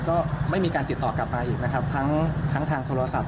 ก็ไม่มีการติดต่อกลับมาอีกนะครับทั้งทางโทรศัพท์